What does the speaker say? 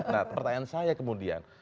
nah pertanyaan saya kemudian